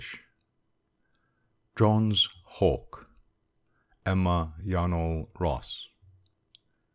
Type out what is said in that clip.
_ JOHN'S HAWK. EMMA YARNALL ROSS.